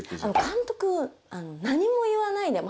監督何も言わないで。